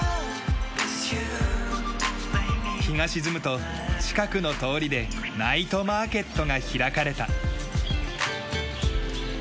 日が沈むと近くの通りでナイトマーケットが開かれた。